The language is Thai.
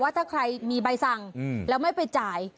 ถ้าใครมีใบสั่งแล้วไม่ไปจ่าย